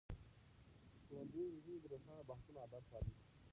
ښوونځی نجونې د روښانه بحثونو عادت پالي.